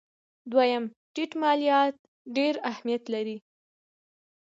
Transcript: دویم: ټیټ مالیات ډېر اهمیت لري.